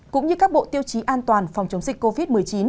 cũng như các bộ tiêu chí an toàn phòng chống dịch covid một mươi chín